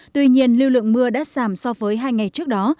tuy nhiên lưu lượng mưa đã giảm so với hai ngày trước đó